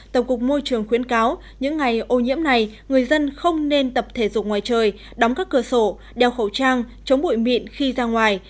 tổng cục môi trường khuyến cáo những ngày ô nhiễm này người dân không nên tập thể dục ngoài trời đóng các cửa sổ đeo khẩu trang chống bụi mịn khi ra ngoài